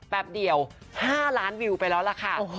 แป๊บเดียว๕ล้านวิวไปแล้วล่ะค่ะ